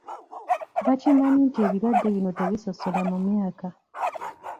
Bakimanyi nti ebirwadde bino tebisosola mu myaka.